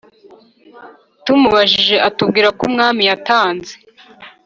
tumubajije atubwira ko umwami yatanze